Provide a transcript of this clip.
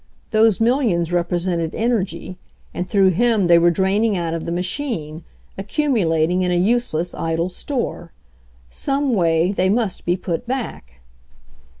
Those millions repre sented energy, and through him they were drain ing out of the machine, accumulating in a useless, idle store. Some way they must be put back.